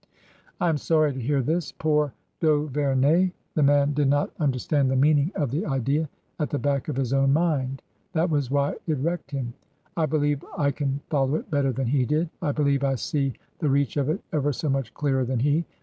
" I am sorry to hear this. Poor d'Auverney ! The man did not understand the meaning of the idea at the back of his own mind. That was why it wrecked him. I believe I can follow it better than he did. I believe I see the reach of it ever so much clearer than he.